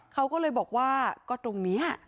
เขาก็เลยบอกว่าก็ตรงนี้